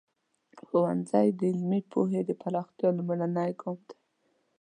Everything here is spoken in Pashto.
ښوونځی د علمي پوهې د پراختیا لومړنی ګام دی.